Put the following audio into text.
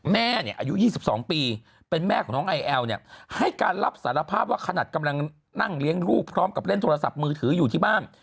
แม่เนี่ยอายุ๒๒ปีเป็นแม่ของน้องไอแอลเนี่ยให้การรับสารภาพว่าขนาดกำลังนั่งเลี้ยงลูกพร้อมกับเล่นโทรศัพท์มือถืออยู่ที่บ้าน